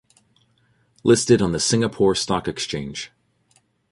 Listed on the Singapore Stock Exchange.